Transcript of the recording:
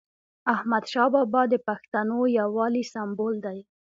احمدشاه بابا د پښتنو یووالي سمبول دی.